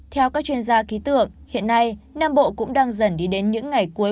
theo các chuyên gia ký tượng hiện nay nam bộ cũng đang dần đi đến những ngày cuối